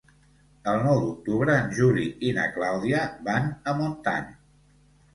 El nou d'octubre en Juli i na Clàudia van a Montant.